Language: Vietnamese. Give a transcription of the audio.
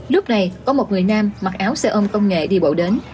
lúc này có một người nam mặc áo xe ôm công nghệ đi bộ đến